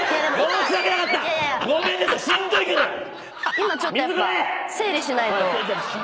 今ちょっとやっぱ整理しないと。